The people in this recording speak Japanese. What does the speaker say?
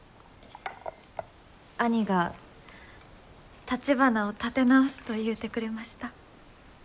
兄がたちばなを建て直すと言うてくれました。